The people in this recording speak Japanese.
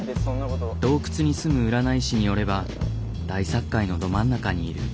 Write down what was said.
洞窟に住む占い師によれば大殺界のど真ん中にいる。